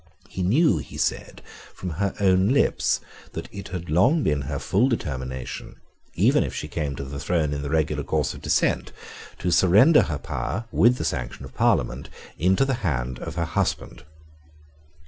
He knew, he said, from her own lips, that it had long been her full determination, even if she came to the throne in the regular course of descent, to surrender her power, with the sanction of Parliament, into the hands of her husband.